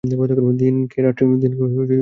দিনকে রাত্রি করিলে?